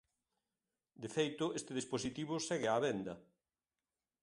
De feito, este dispositivo segue á venda.